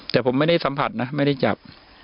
แต่ผมไม่ได้สัมผัสนะไม่ได้จับ